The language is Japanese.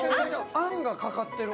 あんがかかってる。